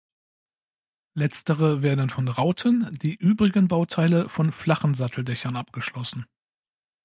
Letztere werden von Rauten-, die übrigen Bauteile von flachen Satteldächern abgeschlossen.